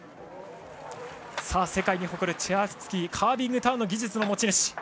世界に誇るチェアスキーカービングターンの技術の持ち主。